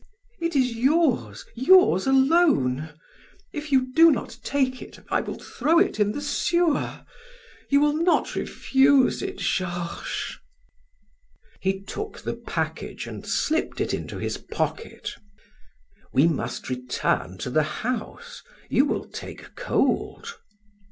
It is yours, yours alone. If you do not take it, I will throw it in the sewer. You will not refuse it, Georges!" He took the package and slipped it into his pocket "We must return to the house; you will take cold."